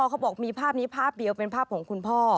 เขาบอกมีภาพนี้ภาพเดียวเป็นภาพของคุณพ่อ